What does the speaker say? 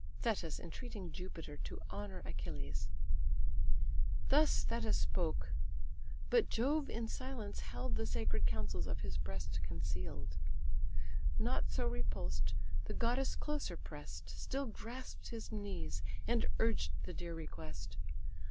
THETIS ENTREATING JUPITER TO HONOUR ACHILLES Thus Thetis spoke; but Jove in silence held The sacred counsels of his breast conceal'd. Not so repulsed, the goddess closer press'd, Still grasp'd his knees, and urged the dear request.